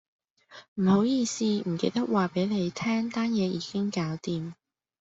唔好意思，唔記得話俾你聽單嘢已經搞掂